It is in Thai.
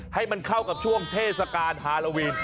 ให้มันเข้ากับช่วงเทศกาลฮาโลวีน